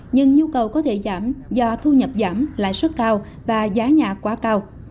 nhưng nhu cầu có thể giảm do thu nhập giảm lãi suất cao và giá nhà quá cao